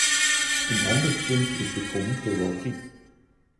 Een ander punt is de comitologie.